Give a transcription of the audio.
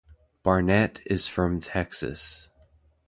Barnett is from Texas.